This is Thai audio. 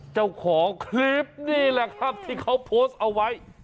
เจ้าของคลิปนี่แหละครับที่เขาโพสต์เอาไว้